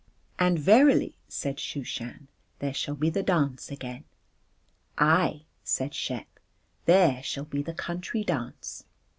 And "Verily," said Shooshan, "there shall be the dance again." "Aye," said Shep, "there shall be the country dance."